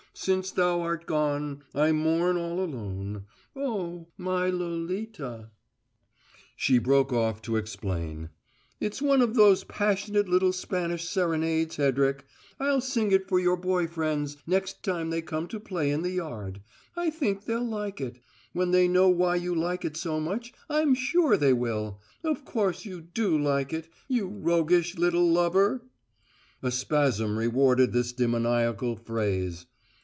Since thou art gone I mourn all alone, Oh, my Lolita " She broke off to explain: "It's one of those passionate little Spanish serenades, Hedrick. I'll sing it for your boy friends next time they come to play in the yard. I think they'd like it. When they know why you like it so much, I'm sure they will. Of course you do like it you roguish little lover!" A spasm rewarded this demoniacal phrase.